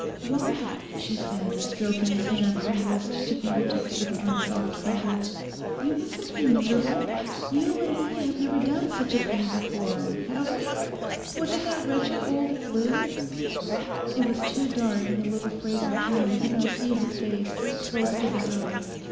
'Why?' she said, stroking his hand from wrist to fingertips with one soft finger. 'You mustn't be miserable. You and me have never done such a thing before; have we? Was it that wretched old Flu?' It was too dark in the little fragrant room even to see her face so close to his own.